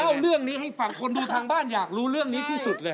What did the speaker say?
เล่าเรื่องนี้ให้ฟังคนดูทางบ้านอยากรู้เรื่องนี้ที่สุดเลย